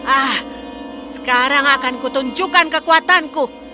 ah sekarang akan kutunjukkan kekuatanku